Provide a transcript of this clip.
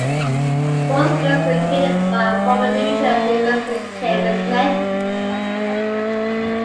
Both films were created by former New Jersey resident Kevin Smith.